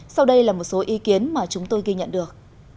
sau đây là một số ý kiến mà chúng tôi ghi nhận được